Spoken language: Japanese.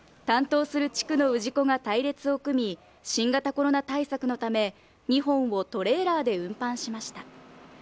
担当する地区の氏子が隊列を組み、新型コロナ対策のため、２本をトレーラーで運搬しました。